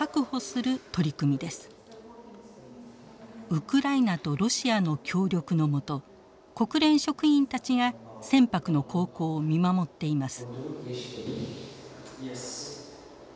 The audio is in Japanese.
ウクライナとロシアの協力の下国連職員たちが船舶の航行を見守っています。